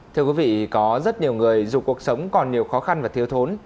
thưa quý vị có rất nhiều người dù cuộc sống còn nhiều khó khăn và thiếu thốn